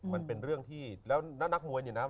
มันเป็นเรื่องที่แล้วนักมวยเนี่ยนะ